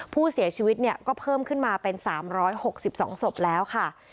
ผู้เสียชีวิตเนี่ยก็เพิ่มขึ้นมาเป็น๓๖๒ศพแล้วค่ะ